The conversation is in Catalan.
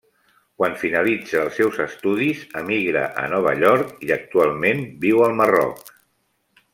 Quan finalitza els seus estudis emigra a Nova York i actualment viu al Marroc.